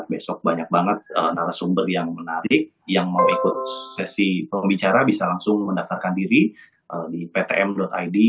besok banyak banget narasumber yang menarik yang mau ikut sesi pembicara bisa langsung mendaftarkan diri di ptm id